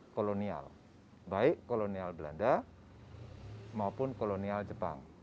kolonial baik kolonial belanda maupun kolonial jepang